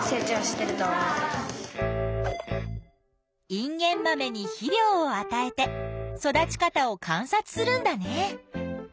インゲンマメに肥料を与えて育ち方を観察するんだね。